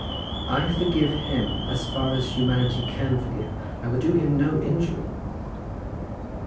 "I forgive him as far as humanity can forgive. I would do him no injury."